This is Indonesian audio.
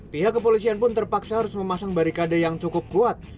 pihak kepolisian pun terpaksa harus memasang barikade yang cukup kuat